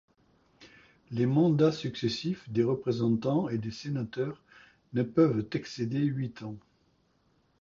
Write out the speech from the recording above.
Les mandats successifs des représentants et des sénateurs ne peuvent excéder huit ans.